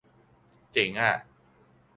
เจ๋งอะ